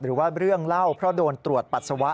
หรือว่าเรื่องเล่าเพราะโดนตรวจปัสสาวะ